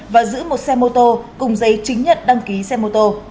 và giữ một xe mô tô cùng giấy chứng nhận đăng ký xe mô tô